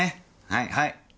はいはい。